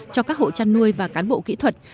cho các hộ chăn nuôi và cán bộ kỹ thuật